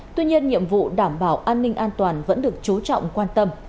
tuy nhiên nhiệm vụ đảm bảo an ninh an toàn vẫn được chú trọng quan tâm